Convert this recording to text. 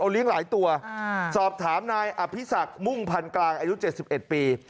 เลี้ยงหลายตัวสอบถามนายอภิษักมุ่งพันกลางอายุ๗๑ปี